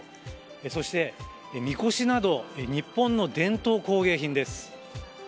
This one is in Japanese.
そして、みこしなど日本の伝統工芸品です。